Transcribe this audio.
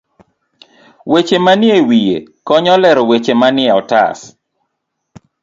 Weche manie wiye konyo e lero weche manie otas.